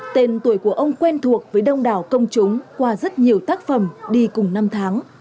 tên tuổi của ông quen thuộc với đông đảo công chúng qua rất nhiều tác phẩm đi cùng năm tháng